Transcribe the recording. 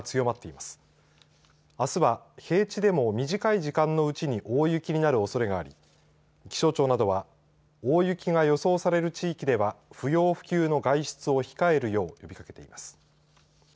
あすは平地でも短い時間のうちに大雪になるおそれがあり気象庁などは大雪が予想される地域では不要不急の外出を控えるよう呼びかけています。